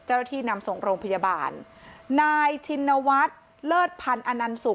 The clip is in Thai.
นำส่งโรงพยาบาลนายชินวัฒน์เลิศพันธ์อนันสุก